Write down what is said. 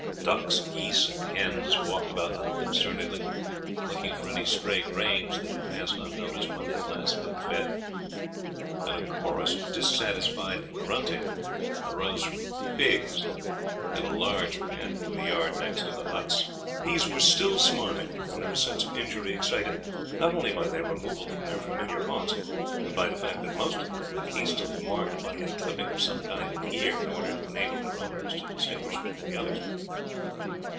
Ducks, geese, and hens walked about unconcernedly looking for any stray grains that had passed unnoticed when they had last been fed, and a chorus of dissatisfied grunting arose from the pigs that had a large pen in the yard next to the huts. These were still smarting under a sense of injury excited not only by their removal from their familiar haunts, but by the fact that most of them had been hastily marked by a clipping of some kind in the ear in order to enable their owners to distinguish them from the others.